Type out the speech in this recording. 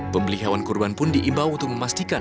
pembeli hewan kurban pun diimbau untuk memastikan